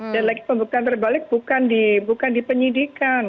dan pembukaan terbalik bukan dipenyidikan